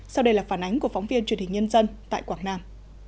sau đây là phản ánh của phóng viên truyền hình nhân dân tại quảng nam